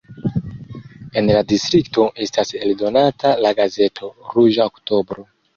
En la distrikto estas eldonata la gazeto "Ruĝa oktobro".